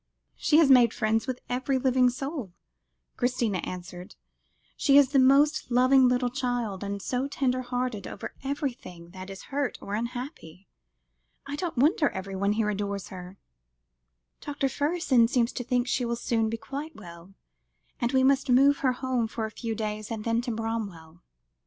"She has made friends with every living soul," Christina answered; "she is the most loving little child, and so tender hearted over everything that is hurt or unhappy. I don't wonder everyone here adores her." "Dr. Fergusson seems to think she will soon be quite well, and we must move her home for a few days, and then to Bramwell."